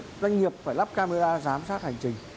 các doanh nghiệp phải lắp camera giám sát hành trình